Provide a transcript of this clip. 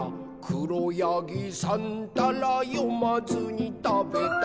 「しろやぎさんたらよまずにたべた」